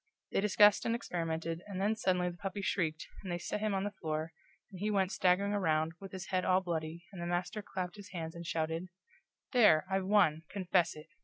They discussed and experimented, and then suddenly the puppy shrieked, and they set him on the floor, and he went staggering around, with his head all bloody, and the master clapped his hands and shouted: "There, I've won confess it!